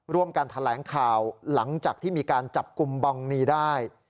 ร่วมกันแถลงข่าวหลังจากที่มีการจับกลุ่มบังนีได้